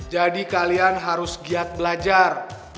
jadi kalian harus giat belajar